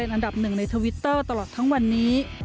อันดับหนึ่งในทวิตเตอร์ตลอดทั้งวันนี้